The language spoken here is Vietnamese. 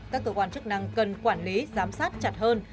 các cơ quan chức năng cần quản lý giám sát chặt hơn